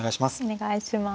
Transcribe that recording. お願いします。